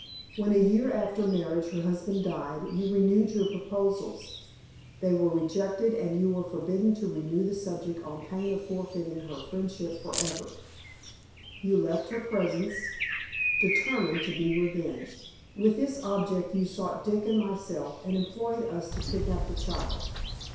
When a year after marriage her husband died, you renewed your proposals. They were rejected, and you were forbidden to renew the subject on pain of forfeiting her friendship forever. You left her presence, determined to be revenged. With this object you sought Dick and myself, and employed us to kidnap the child.